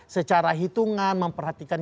secara hitungan memperhatikan